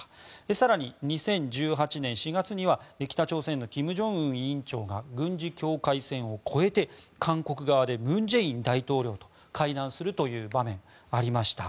更に２０１８年４月には北朝鮮の金正恩委員長が軍事境界線を越えて韓国側で文在寅大統領と会談する場面もありました。